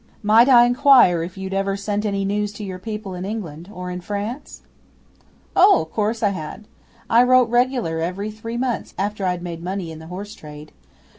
'Might I inquire if you'd ever sent any news to your people in England or in France?' 'O' course I had. I wrote regular every three months after I'd made money in the horse trade.